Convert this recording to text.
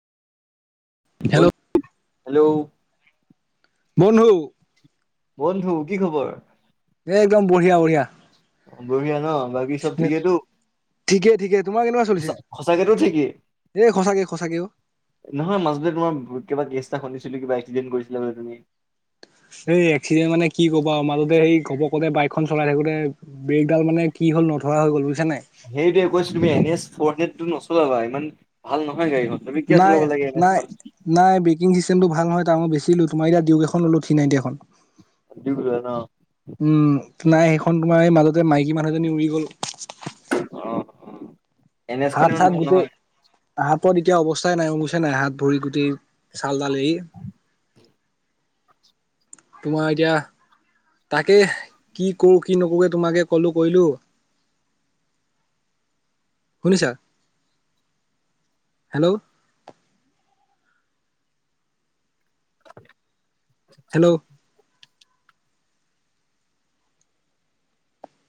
Hello [unintelligible] hello বন্ধু। বন্ধু, কি খবৰ? এ একদম বঢ়িয়া বঢ়িয়া। বঢ়িয়া ন বাকী চব ঠিকেতো? ঠিকে ঠিকে, তোমাৰ কেনেকুৱা চলিছে? সঁচাকেতো ঠিকেই এ সঁচাকে সঁচাকে ঔ। নহয় মাজতে তোমাৰ কিবা কেছ এটা শুনিছিলো কিবা এক্সিডেণ্ট কৰিছিলা বুলে তুমি। এই এক্সিডেণ্ট মানে কি কবা আও মাজতে সেই ঘপকতে বাইকখন চলাই থাকোতে ব্ৰেকডাল মানে কি হ'ল নধৰা হৈ গল বুইছা নাই। সেইটৱে কৈছো তুমি এন এছ ফ' হাড্ৰেডটো নচলাবা, ইমান ভাল নহয় গাড়ীখন। তুমি কিয় নাই চলাব লাগে এন নাই এছখন নাই ব্ৰেকিং চিছটেমটো ভাল হয়, ত মই বেছিলো তোমাৰ এতিয়া ডিউক এখন ললো থ্ৰী নাইনটী এখন। দুই ন অ উম নাই সেইখন তোমাৰ এই মাজতে মাইকী মানুহ এজনী উৰি গল। অহ অ। এছখন হাত ইমান চাত ভাল নহয় গোটেই হাতত এতিয়া অৱস্থাই নাই বুইছা নাই হাত ভৰি গোটেই চাল তাল এৰি। তোমাৰ এতিয়া তাকে কি কৰো কি নকৰো কে তোমাকে কলো কৰিলো। শুনিছা? হেল্ল। হেল্ল'